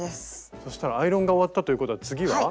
そしたらアイロンが終わったということは次は？